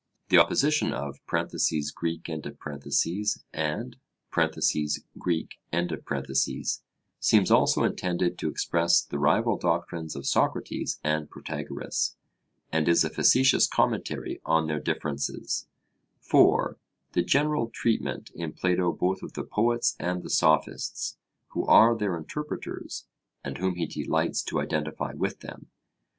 The opposition of (Greek) and (Greek) seems also intended to express the rival doctrines of Socrates and Protagoras, and is a facetious commentary on their differences. (4) The general treatment in Plato both of the Poets and the Sophists, who are their interpreters, and whom he delights to identify with them.